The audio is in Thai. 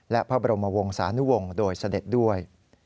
และพระบรมวงศานุวงศ์โดยเสด็จด้วย